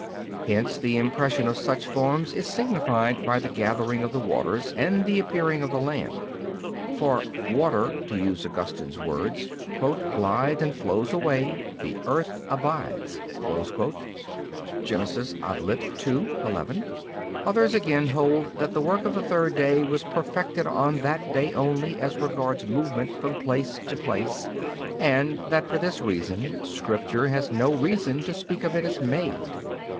Hence the impression of such forms is signified by the gathering of the waters, and the appearing of the land. For "water," to use Augustine's words, "glides and flows away, the earth abides" (Gen. ad lit. ii, 11). Others, again, hold that the work of the third day was perfected on that day only as regards movement from place to place, and that for this reason Scripture had no reason to speak of it as made.